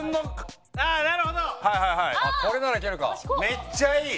めっちゃいい！